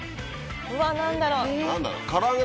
うわっ何だろう？